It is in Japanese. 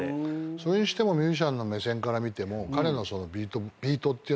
それにしてもミュージシャンの目線から見ても。